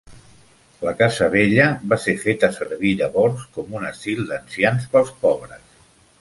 La casa vella va ser feta servir llavors com un asil d'ancians pels pobres.